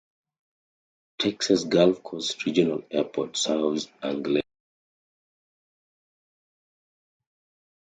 Texas Gulf Coast Regional Airport serves Angleton.